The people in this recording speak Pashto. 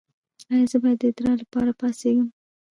ایا زه باید د ادرار لپاره پاڅیږم؟